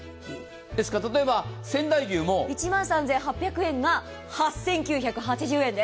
例えば、仙台牛も１万３８００円が８９８０円です。